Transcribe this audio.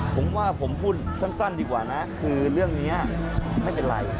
ผมว่าผมพูดสั้นดีกว่านะคือเรื่องนี้ไม่เป็นไร